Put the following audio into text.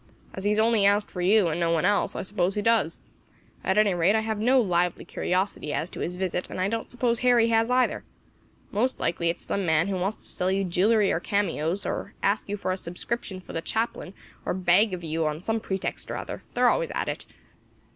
"As he has only asked for you, and no one else, I suppose he does. At any rate I have no lively curiosity as to his visit, and I don't suppose Harry has either. Most likely it's some man who wants to sell you jewellery or cameos, or to ask you for a subscription for the chaplain, or to beg of you on some pretext or other; they are always at it.